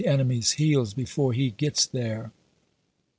enemy's heels before he gets there."